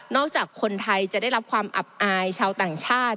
จากคนไทยจะได้รับความอับอายชาวต่างชาติ